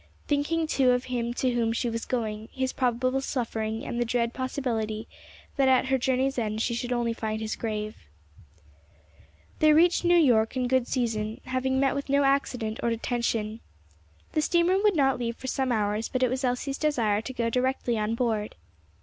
Thinking too of him to whom she was going, his probable suffering, and the dread possibility that at her journey's end she should find only his grave. They reached New York in good season, having met with no accident or detention. The steamer would not leave for some hours, but it was Elsie's desire to go directly on board.